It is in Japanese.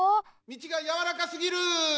みちがやわらかすぎる！